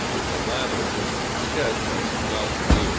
With the latter, this sketch has naught to do.